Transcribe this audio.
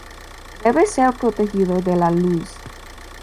Debe ser protegido de la luz.